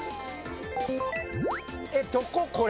えっどこ？